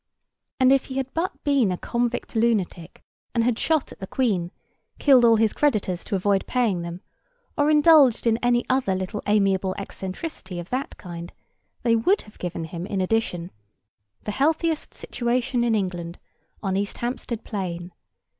And if he had but been a convict lunatic, and had shot at the Queen, killed all his creditors to avoid paying them, or indulged in any other little amiable eccentricity of that kind, they would have given him in addition— The healthiest situation in England, on Easthampstead Plain.